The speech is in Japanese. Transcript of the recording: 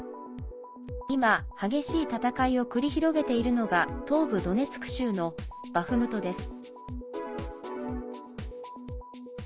今、激しい戦いを繰り広げているのが東部ドネツク州のバフムトです。